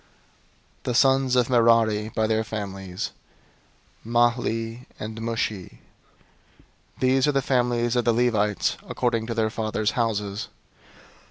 003:020 The sons of Merari by their families: Mahli and Mushi. These are the families of the Levites according to their fathers' houses.